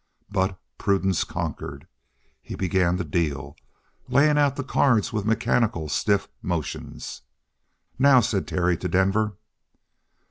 But prudence conquered. He began to deal, laying out the cards with mechanical, stiff motions. "Now," said Terry to Denver.